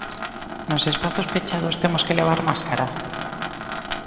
Nos espazos pechados temos que levar mascara?